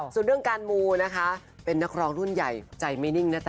ส่วนเรื่องการมูนะคะเป็นนักร้องรุ่นใหญ่ใจไม่นิ่งนะจ๊